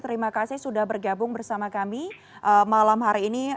terima kasih sudah bergabung bersama kami malam hari ini